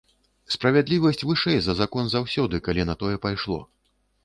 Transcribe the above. Справядлівасць вышэй за закон заўсёды, калі на тое пайшло.